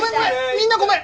みんなごめん！